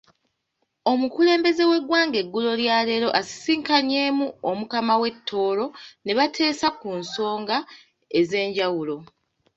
Omukulembeze w'eggwanga eggulo lya leero asisinkanyeemu Omukama w'e Tooro, nebateesa ku nsonga ez'enjawulo.